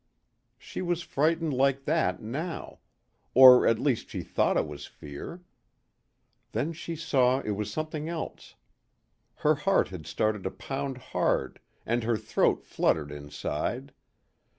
She was frightened like that now. Or at least she thought it was fear. Then she saw it was something else. Her heart had started to pound hard and her throat fluttered inside.